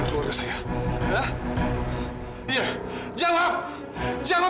karena kalo herbert itu nyata detik nanti gimana